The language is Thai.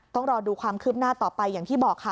ต้องรอดูความคืบหน้าต่อไปอย่างที่บอกค่ะ